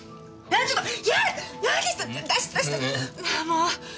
もう！